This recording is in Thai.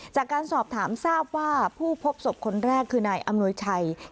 จากการสอบถามทราบว่าผู้พบศพคนแรกคือนายอำนวยชัย